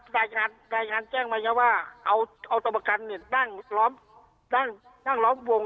ได้งานแจ้งมาว่าเอาตรวจการณ์นี่นั่งล้อมวง